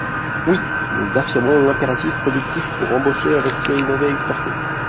Oui, nous affirmons l’impératif productif pour embaucher, investir, innover, exporter.